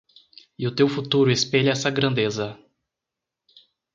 E o teu futuro espelha essa grandeza